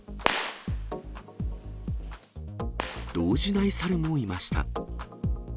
動じないサルもいました。